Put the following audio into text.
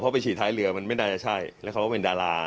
ไปฉี่ท้ายเรือมันไม่น่าจะใช่แล้วเขาก็เป็นดารา